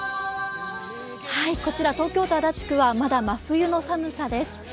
こちら東京都足立区はまだ真冬の寒さです。